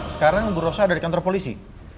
sekarang bu rosa ada di kantor polisi